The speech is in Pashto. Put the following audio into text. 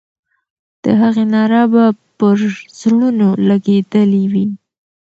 د هغې ناره به پر زړونو لګېدلې وي.